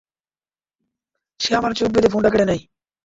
সে আমার চোখ বেঁধে ফোনটা কেড়ে নেয়।